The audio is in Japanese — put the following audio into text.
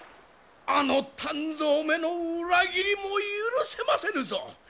あの湛増めの裏切りも許せませぬぞ！